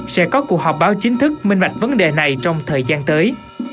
sẽ có cuộc họp báo chính thức minh bạch vấn đề này trong thời gian tới